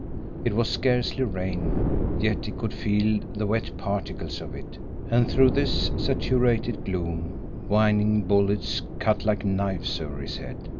It was scarcely rain, yet he could feel the wet particles of it, and through this saturated gloom whining bullets cut like knives over his head.